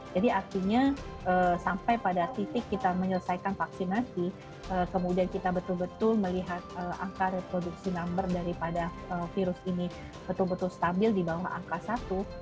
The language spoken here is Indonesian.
jadi artinya sampai pada titik kita menyelesaikan vaksinasi kemudian kita betul betul melihat angka reproduksi number daripada virus ini betul betul stabil di bawah angka satu